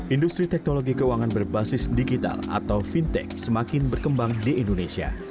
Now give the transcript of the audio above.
industri teknologi keuangan berbasis digital atau fintech semakin berkembang di indonesia